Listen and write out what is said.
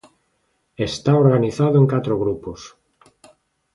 Está organizado en catro grupos.